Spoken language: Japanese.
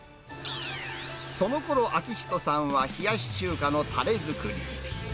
そのころ、明人さんは、冷やし中華のたれ作り。